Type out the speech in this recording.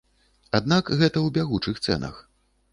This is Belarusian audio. Аднак гэта ў бягучых цэнах.